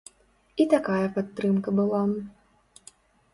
І такая падтрымка была.